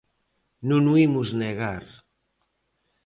Non o imos negar.